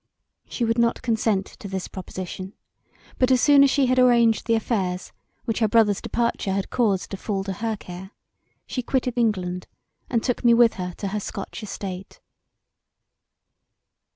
She would not consent to this proposition, but as soon as she had arranged the affairs which her brother's departure had caused to fall to her care, she quitted England and took me with her to her scotch estate.